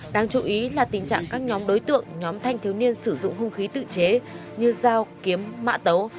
đáng chú ý là tình trạng các nhóm đối tượng nhóm thanh thiếu niên sử dụng hung khí tự chế như dao kiếm mạ tấu